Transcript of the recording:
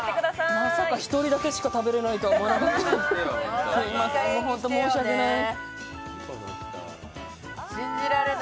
まさか１人だけしか食べられないとは思わなかった。